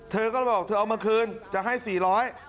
เธอก็เลยบอกเธอเอามาคืนจะให้๔๐๐บาท